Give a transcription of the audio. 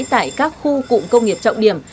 tại các khu cụm công nghiệp trọng điểm